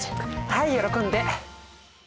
はい喜んで。